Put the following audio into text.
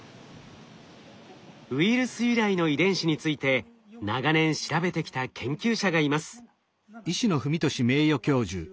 ウイルス由来の遺伝子について長年調べてきた研究者がいます。